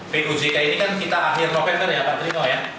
pojk ini kan kita akhir november ya pak trino ya